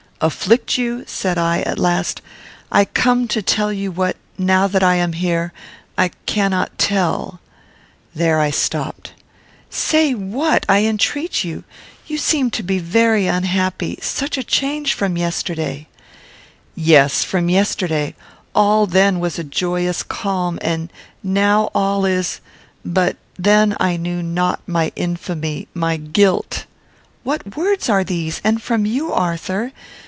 "Afflict you?" said I, at last; "I come to tell you what, now that I am here, I cannot tell " There I stopped. "Say what, I entreat you. You seem to be very unhappy such a change from yesterday!" "Yes! From yesterday; all then was a joyous calm, and now all is but then I knew not my infamy, my guilt " "What words are these, and from you, Arthur?